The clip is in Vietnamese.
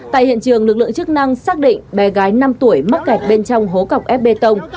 tại hiện trường lực lượng chức năng xác định bé gái năm tuổi mắc kẹt bên trong hố cọc ép bê tông